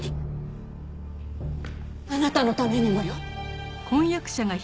あなたのためにもよ。